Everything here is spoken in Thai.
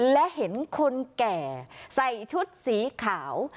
และเห็นคนแก่ใส่ชุดสีขาว